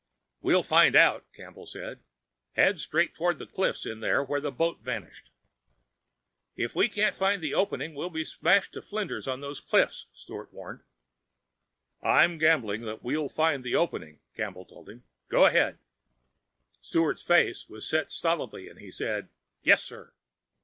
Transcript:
"We'll find out," Campbell said. "Head straight toward the cliffs in there where that boat vanished." "If we can't find the opening we'll be smashed to flinders on those cliffs," Sturt warned. "I'm gambling that we'll find the opening," Campbell told him. "Go ahead." Sturt's face set stolidly and he said, "Yes, sir."